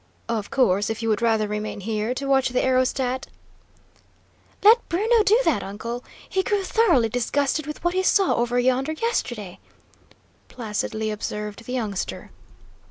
"Of course, if you would rather remain here to watch the aerostat " "Let Bruno do that, uncle. He grew thoroughly disgusted with what he saw over yonder, yesterday," placidly observed the youngster.